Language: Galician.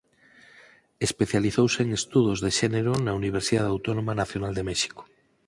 Especializouse en estudos de xénero na Universidade Autónoma Nacional de México.